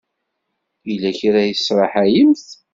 Yella kra i tesraḥayemt?